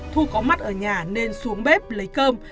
thu có mặt ở nhà nên xuống bếp lấy cơm